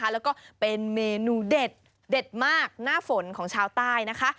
แล้วก็เป็นเมนูเด็ดมากหน้าฝนของชาวใต้นะคะ